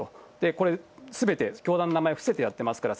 これ、すべて教団の名前を伏せてやってますから、